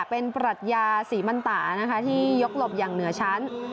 เป็นปรัชญาศรีมันตานะคะที่ยกหลบอย่างเหนือชั้น